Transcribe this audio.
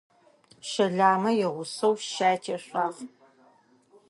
Щэламэ игъусэу щаи тешъуагъ.